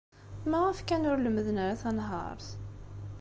Maɣef kan ur lemmden ara tanhaṛt?